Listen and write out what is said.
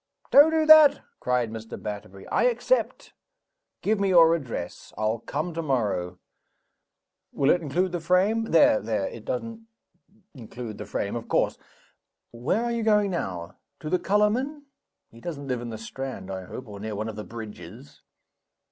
"Don't do that!" cried Mr. Batterbury. "I accept. Give me your address. I'll come tomorrow. Will it include the frame! There! there! it doesn't include the frame, of course. Where are you going now? To the colorman? He doesn't live in the Strand, I hope or near one of the bridges.